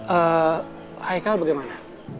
eee haikal bagaimana